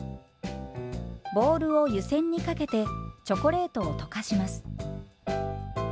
ボウルを湯煎にかけてチョコレートを溶かします。